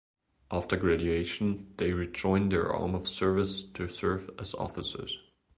After graduation, they rejoin their Arm of Service to serve as officers.